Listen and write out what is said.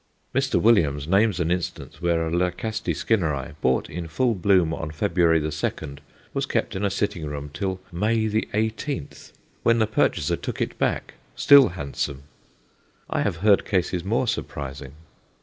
Mr. Williams names an instance where a L. Skinneri, bought in full bloom on February 2, was kept in a sitting room till May 18, when the purchaser took it back, still handsome. I have heard cases more surprising.